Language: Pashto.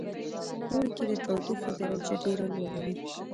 اوړی کې د تودوخې درجه ډیره لوړه وی